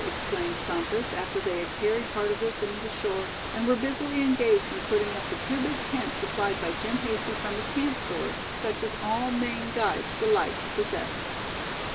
exclaimed Bumpus, after they had carried part of their things ashore, and were busily engaged in putting up the two big tents supplied by Jim Hasty from his camp stores, such as all Maine guides delight to possess.